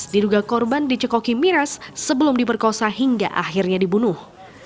diduga korban dicekoki miras sebelum diperkosa hingga akhirnya dibunuh